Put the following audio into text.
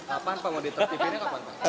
apaan pak mau ditertipinnya kapan pak